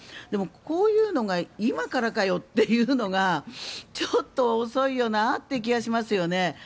でも、こういうのが今からかよっていうのがちょっと遅いよなという気がしますよね。